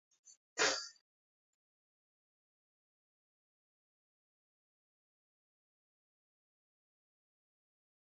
kibek kibaitinik tamanwokik bokol aeng betut nekikichapei oret ab karit ab maat